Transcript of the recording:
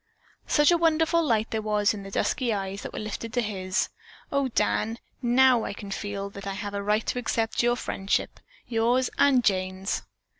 Such a wonderful light there was in the dusky eyes that were lifted to his. "O, Dan, now I can feel that I have a right to accept your friendship; yours and Jane's."